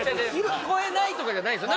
聞こえないとかじゃないんですよ